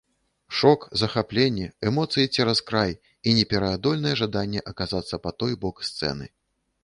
Шок, захапленне, эмоцыі цераз край і непераадольнае жаданне аказацца па той бок сцэны.